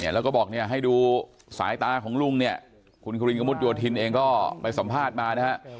แล้วก็บอกเนี่ยให้ดูสายตาของลุงเนี่ยคุณครินกระมุดโยธินเองก็ไปสัมภาษณ์มานะฮะ